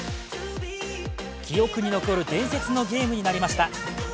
記憶に残る伝説のゲームになりました。